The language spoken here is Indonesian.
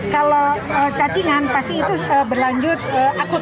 kalau cacingan pasti itu berlanjut akun